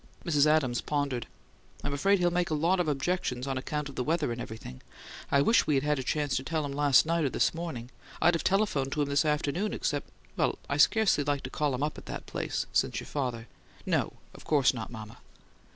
Mrs. Adams pondered. "I'm afraid he'll make a lot of objections, on account of the weather and everything. I wish we'd had a chance to tell him last night or this morning. I'd have telephoned to him this afternoon except well, I scarcely like to call him up at that place, since your father " "No, of course not, mama."